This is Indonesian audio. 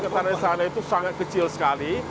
kalau getaran di sana itu sangat kecil sekali